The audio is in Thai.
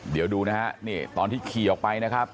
เดี๋ยวดูนะฮะนี่ตอนที่ขี่ออกไปนะครับ